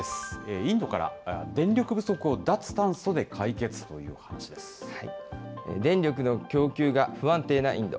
インドから、電力不足を脱炭素で電力の供給が不安定なインド。